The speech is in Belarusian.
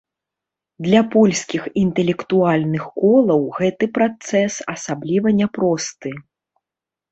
Для польскіх інтэлектуальных колаў гэты працэс асабліва няпросты.